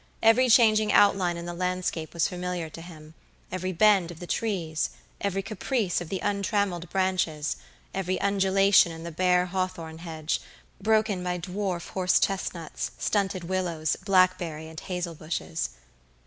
Every changing outline in the landscape was familiar to him; every bend of the trees; every caprice of the untrammeled branches; every undulation in the bare hawthorn hedge, broken by dwarf horse chestnuts, stunted willows, blackberry and hazel bushes.